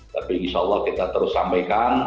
tapi insyaallah kita terus sampaikan